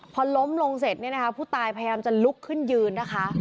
พอล้มลงเสร็จเนี่ยนะคะผู้ตายพยายามจะลุกขึ้นยืนนะคะ